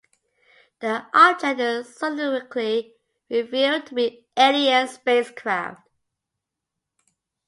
The object is subsequently revealed to be an alien spacecraft.